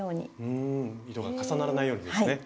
うん糸が重ならないようにですね。